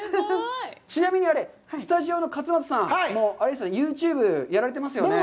ちなみにスタジオの勝俣さん、ユーチューブやられてますよね。